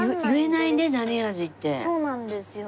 そうなんですよ。